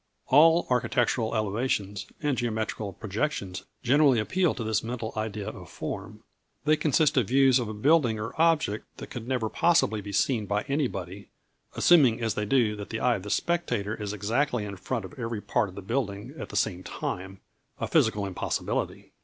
All architectural elevations and geometrical projections generally appeal to this mental idea of form. They consist of views of a building or object that could never possibly be seen by anybody, assuming as they do that the eye of the spectator is exactly in front of every part of the building at the same time, a physical impossibility.